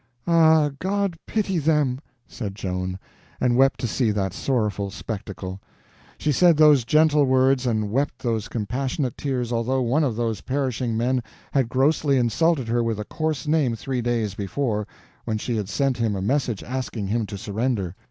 "Ah, God pity them!" said Joan, and wept to see that sorrowful spectacle. She said those gentle words and wept those compassionate tears although one of those perishing men had grossly insulted her with a coarse name three days before, when she had sent him a message asking him to surrender.